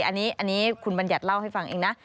อันนี้คุณบัญญัติเล่าให้ฟังเองนะ